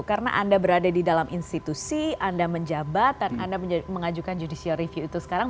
karena anda berada di dalam institusi anda menjabat dan anda mengajukan judicial review itu sekarang